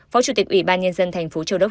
phó chủ tịch ủy ban nhân dân tp châu đốc